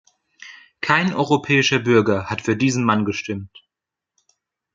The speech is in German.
Kein europäischer Bürger hat für diesen Mann gestimmt.